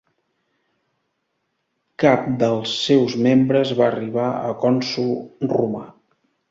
Cap dels seus membres va arribar a cònsol romà.